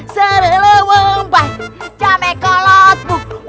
serele wembah jame kolot buk